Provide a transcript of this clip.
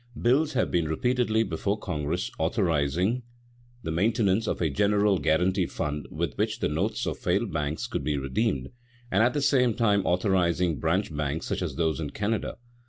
Bills have been repeatedly before Congress authorizing the maintenance of a general guarantee fund with which the notes of failed banks could be redeemed, and at the same time authorizing branch banks such as those in Canada.